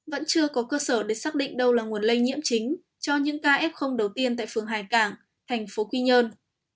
vẫn chưa có cơ sở để xác định đâu là nguồn lây nhiễm chính cho những ca f đầu tiên tại phường hải cảng thành phố quy nhơn